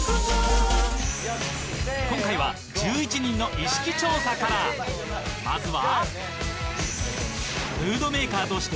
今回は１１人の意識調査からまずは